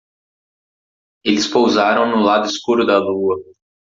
Eles pousaram no lado escuro da lua.